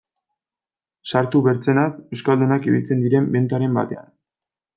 Sartu bertzenaz euskaldunak ibiltzen diren bentaren batean...